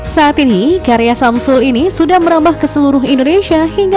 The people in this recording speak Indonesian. saat ini karya samsul ini sudah merambah ke seluruh indonesia